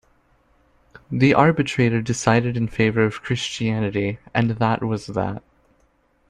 The arbitrator decided in favor of Christianity, and that was that.